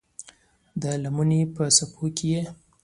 د لمنې په څپو کې یې